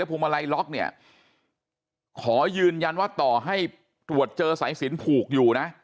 พวงมาลัยล็อกเนี่ยขอยืนยันว่าต่อให้ตรวจเจอสายสินผูกอยู่นะ